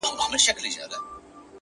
• لا اوس هم نه يې تر ځايه رسېدلى ,